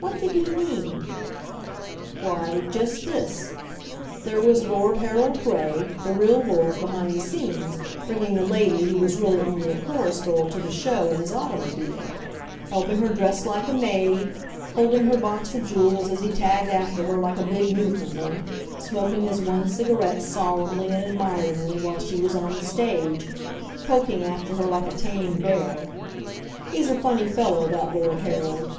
What did he mean? Why just this: there was Lord Harold Gray, the real Lord behind the scenes, bringing the Lady who was really only a chorus girl to the show in his automobile; helping her dress like a maid; holding her box of jewels as he tagged after her like a big Newfoundland; smoking his one cigarette solemnly and admiringly while she was on the stage; poking after her like a tame bear. He's a funny fellow, that Lord Harold.